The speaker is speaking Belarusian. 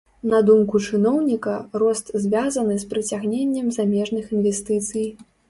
На думку чыноўніка, рост звязаны з прыцягненнем замежных інвестыцый.